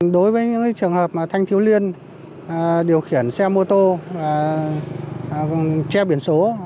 đối với những trường hợp thanh thiếu liên điều khiển xe mô tô che biển số